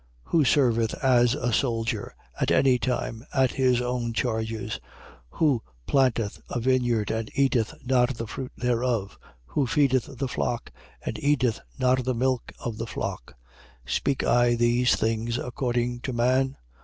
9:7. Who serveth as a soldier, at any time, at his own charges? Who planteth a vineyard and eateth not of the fruit thereof? Who feedeth the flock and eateth not of the milk of the flock? 9:8. Speak I these things according to man?